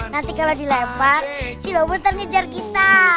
nanti kalau dilempar si lobo ntar ngejar kita